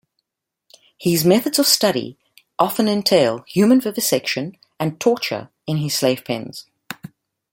His methods of study often entail human vivisection and torture in his slave pens.